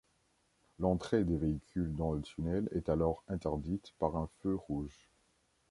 L'entrée des véhicules dans le tunnel est alors interdite par un feu rouge.